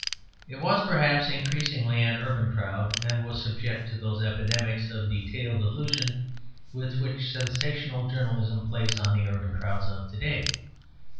It was, perhaps, increasingly an urban crowd, and was subject to those epidemics of detailed delusion with which sensational journalism plays on the urban crowds of to day.